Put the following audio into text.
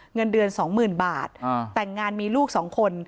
เงินเดือน๒๐๐๐บาทแต่งงานมีลูก๒คน